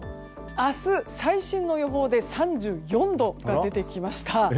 明日、最新の予報で３４度が出てきました。